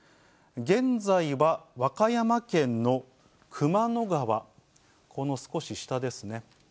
現在は和歌山県の熊野川、この少し下ですね。